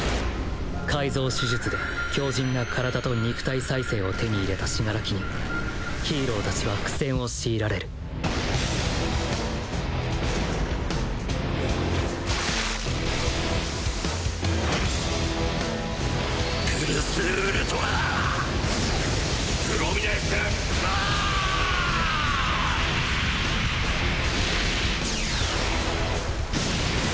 改造手術で強靭な体と肉体再生を手に入れた死柄木にヒーロー達は苦戦を強いられるプルスウルトラプロミネンスバーーン！